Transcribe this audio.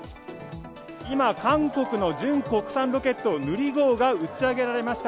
今、韓国の純国産ロケットヌリ号が打ち上げられました。